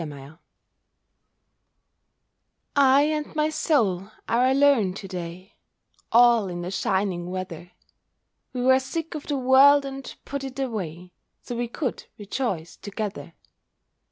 COMRADES I and my Soul are alone to day, All in the shining weather; We were sick of the world, and put it away, So we could rejoice together.